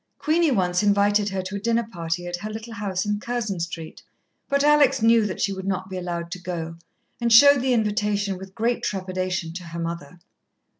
Queenie once invited her to a dinner party at her little house in Curzon Street, but Alex knew that she would not be allowed to go, and showed the invitation with great trepidation to her mother.